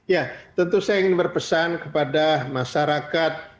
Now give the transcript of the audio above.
ya tentu saya ingin berpesan kepada masyarakat